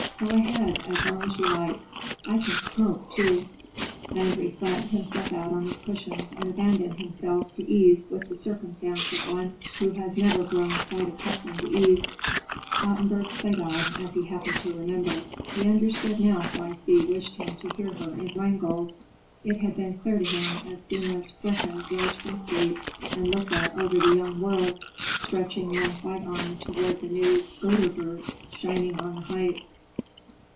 Go ahead, as long as you like. I can smoke, too." Landry flattened himself out on his cushions and abandoned himself to ease with the circumstance of one who has never grown quite accustomed to ease. Ottenburg played on, as he happened to remember. He understood now why Thea wished him to hear her in "Rheingold." It had been clear to him as soon as Fricka rose from sleep and looked out over the young world, stretching one white arm toward the new Götterburg shining on the heights.